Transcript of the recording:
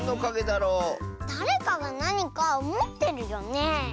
だれかがなにかもってるよね。